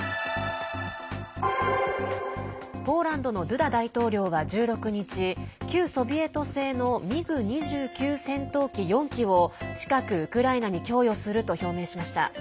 ポーランドのドゥダ大統領は１６日旧ソビエト製のミグ２９戦闘機４機を近くウクライナに供与すると表明しました。